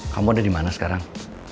kamu udah dimana sekarang